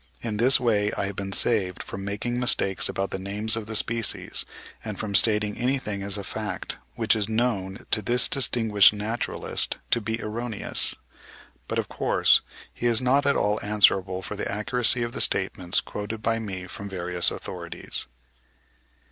In this way I have been saved from making mistakes about the names of the species, and from stating anything as a fact which is known to this distinguished naturalist to be erroneous. But, of course, he is not at all answerable for the accuracy of the statements quoted by me from various authorities.)